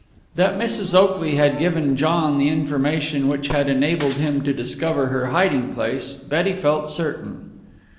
That Mrs. Oakley had given John the information which had enabled him to discover her hiding place, Betty felt certain.